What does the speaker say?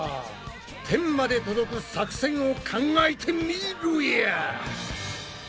天まで届く作戦を考えてみろや！